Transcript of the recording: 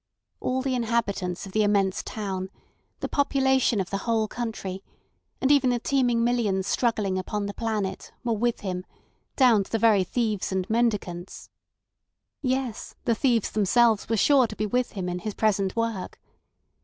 All the inhabitants of the immense town, the population of the whole country, and even the teeming millions struggling upon the planet, were with him—down to the very thieves and mendicants. Yes, the thieves themselves were sure to be with him in his present work.